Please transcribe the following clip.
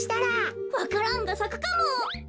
わか蘭がさくかも！